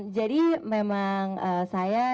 jadi memang saya